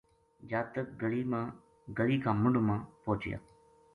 جاتک گلی کا مُنڈھ ما پوہچیا